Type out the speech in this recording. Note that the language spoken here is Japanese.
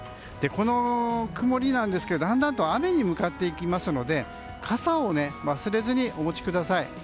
この曇りなんですが、だんだんと雨に向かっていきますので傘を忘れずに持ちください。